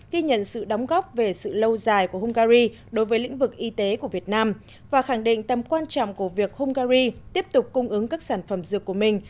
ghi nhận sự đóng góp về sự lâu dài của hungary đối với lĩnh vực y tế của việt nam và khẳng định tầm quan trọng của việc hungary tiếp tục cung ứng các sản phẩm dược của mình